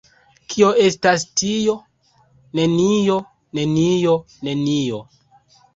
Kio estas tio? Nenio. Nenio. Nenio.